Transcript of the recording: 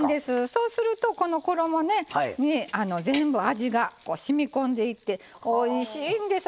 そうすると衣に味がしみこんでいっておいしいんです！